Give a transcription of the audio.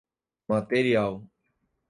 material